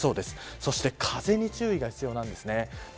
そして風に注意が必要です。